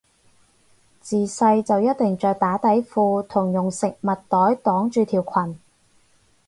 自細就一定着打底褲同用食物袋擋住條裙